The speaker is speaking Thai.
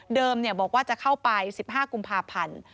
บอกว่าจะเข้าไป๑๕กุมภาพันธ์